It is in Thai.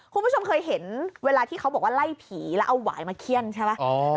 คุณผู้ชมเคยเห็นเวลาที่เขาบอกว่าไล่ผีแล้วเอาหวายมาเขี้ยนใช่ไหม